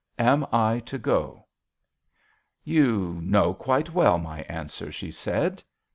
Am I to go ?" "You know quite well my answer," she said.